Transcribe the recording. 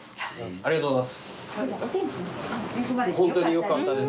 ありがとうございます。